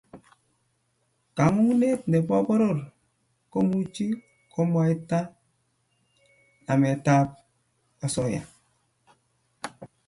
Kangungunyet nebo poror komuchi komwaita nametab osoya